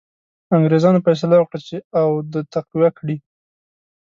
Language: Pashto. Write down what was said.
انګرېزانو فیصله وکړه چې اود تقویه کړي.